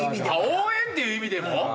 応援っていう意味でも？